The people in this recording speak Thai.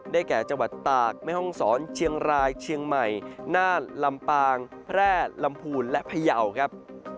แก่จังหวัดตากแม่ห้องศรเชียงรายเชียงใหม่น่านลำปางแพร่ลำพูนและพยาวครับ